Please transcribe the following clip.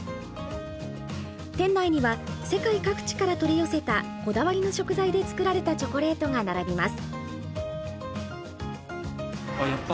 店内には世界各地から取り寄せたこだわりの食材で作られたチョコレートが並びます。